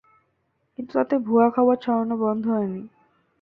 কিন্তু তাতে ভুয়া খবর ছড়ানো বন্ধ হয়নি।